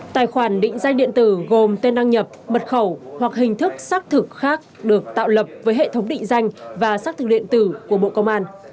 tài khoản định danh điện tử gồm tên đăng nhập mật khẩu hoặc hình thức xác thực khác được tạo lập với hệ thống định danh và xác thực điện tử của bộ công an